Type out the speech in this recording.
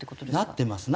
なってます。